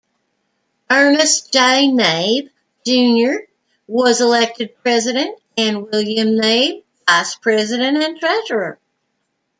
Ernest J. Knabe, junior was elected president and William Knabe, vice president and treasurer.